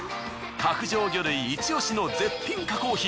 角上魚類イチオシの絶品加工品。